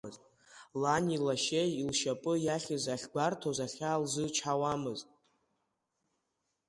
Лани лашьеи лшьапы иахьыз ахьгәарҭоз, ахьаа лзычҳауамызт.